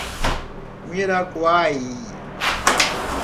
Miraguaí